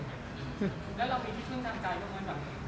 แล้วเรามีที่คุ้มกันใจด้วยมั้ยแบบ